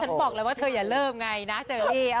บอกเลยว่าเธออย่าเริ่มไงนะเชอรี่